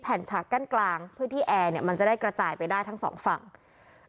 ฉากกั้นกลางเพื่อที่แอร์เนี่ยมันจะได้กระจายไปได้ทั้งสองฝั่ง